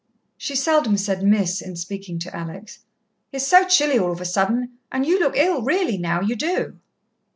She seldom said "Miss" in speaking to Alex. "It's so chilly, all of a sudden, and you look ill, really, now, you do."